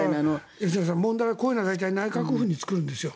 吉永さん、問題なのはこういうのは大体内閣府に作るんですよ。